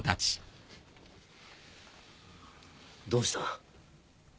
どうした？